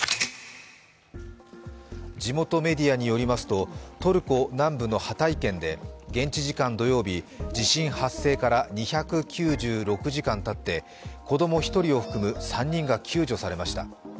地元メディアによりますとトルコ南部のハタイ県で現地時間土曜日、地震発生から２９６時間たって子供１人を含む３人が救助されました。